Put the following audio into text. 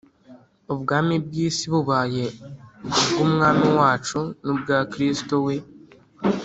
Ubwami bw’isi bubaye ubw’Umwami wacu n’ubwa Kristo we,